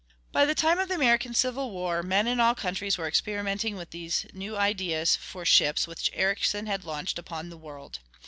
By the time of the American Civil War men in all countries were experimenting with these new ideas for ships which Ericsson had launched upon the world.